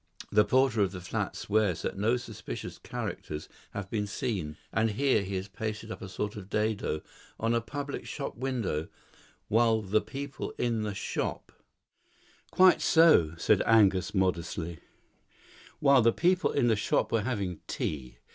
The porter of the flats swears that no suspicious characters have been seen, and here he has pasted up a sort of dado on a public shop window, while the people in the shop " "Quite so," said Angus modestly, "while the people in the shop were having tea.